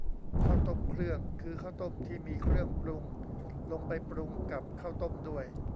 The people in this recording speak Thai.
ข้าวต้มเครื่อง คือข้าวต้มที่มีเครื่องปรุงลงไปปรุงกับข้าวต้มด้วย